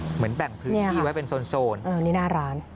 เหมือนแบ่งพื้นที่ไว้เป็นโซนนี่หน้าร้าน